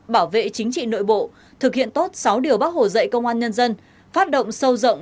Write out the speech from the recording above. bảo vệ chính trị nội bộ thực hiện tốt sáu điều bác hồ dạy công an nhân dân phát động sâu rộng